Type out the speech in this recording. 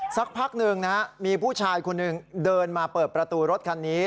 สักพักหนึ่งนะฮะมีผู้ชายคนหนึ่งเดินมาเปิดประตูรถคันนี้